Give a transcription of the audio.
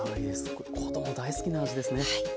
これ子ども大好きな味ですね。